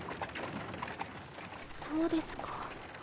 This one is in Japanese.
そうですか。